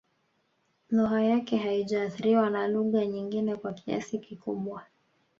Lugha yake haijaathiriwa na lugha nyingine kwa kiasi kikubwa